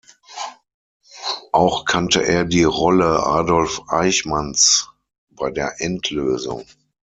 Auch kannte er die Rolle Adolf Eichmanns bei der «Endlösung».